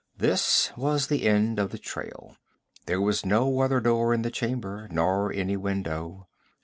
This was the end of the trail. There was no other door in the chamber, nor any window.